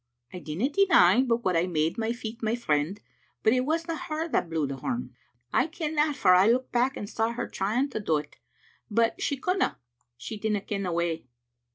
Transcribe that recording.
"" I dinna deny but what I made my feet my friend, but it wasna her that blew the horn. I ken that, for I looked back and saw her trying to do't, but she couldna, she didna ken the way.